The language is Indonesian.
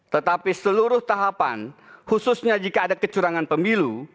tetapi seluruh tahapan khususnya jika ada kecurangan pemilu